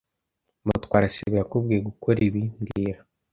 Mutwara sibo yakubwiye gukora ibi mbwira